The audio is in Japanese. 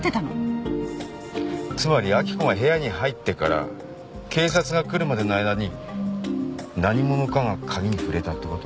つまり明子が部屋に入ってから警察が来るまでの間に何者かが鍵に触れたってこと？